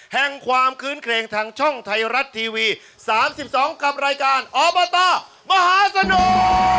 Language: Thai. แห่งความคื้นเครงทางช่องไทยรัฐทีวี๓๒กับรายการอบตมหาสนุก